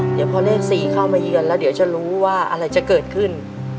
เดี๋ยวพอเลข๔เข้ามาเยือนแล้วเดี๋ยวจะรู้ว่าอะไรจะเกิดขึ้น